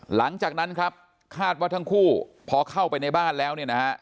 หลังจากนั้นครับคาดว่าทั้งคู่พอเข้าไปในบ้านแล้วเนี่ยนะฮะ